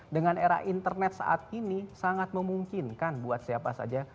dengan era internet saat ini sangat memungkinkan buat siapa saja